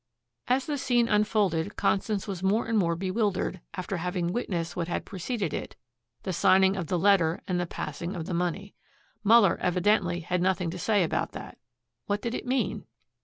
As the scene unfolded, Constance was more and more bewildered after having witnessed that which preceded it, the signing of the letter and the passing of the money. Muller evidently had nothing to say about that. What did it mean?